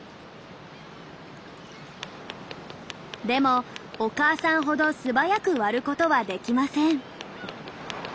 でもお母さんほど素早く割ることはできません。